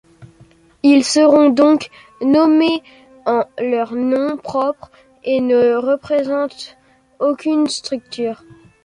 Ils seront donc nommés en leur nom propre et ne représentent aucune structure.